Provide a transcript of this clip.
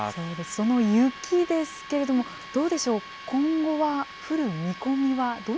その雪ですけれども、どうでしょう、今後は降る見込みはどう